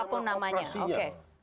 apapun namanya oke